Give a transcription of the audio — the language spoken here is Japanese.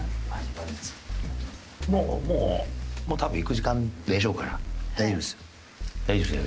もうもう多分行く時間でしょうから大丈夫ですよ。